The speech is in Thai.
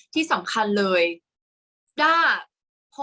กากตัวทำอะไรบ้างอยู่ตรงนี้คนเดียว